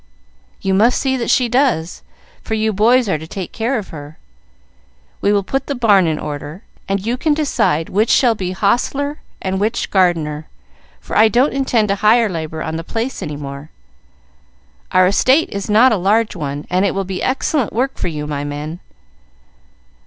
"You must see that she does, for you boys are to take care of her. We will put the barn in order, and you can decide which shall be hostler and which gardener, for I don't intend to hire labor on the place any more. Our estate is not a large one, and it will be excellent work for you, my men."